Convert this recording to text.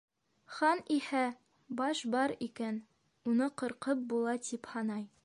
Хан иһә, баш бар икән, уны ҡырҡып була, тип һанай.